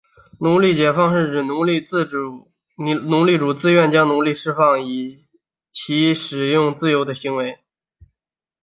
奴隶解放是指奴隶主自愿将奴隶释放以使其自由的行为。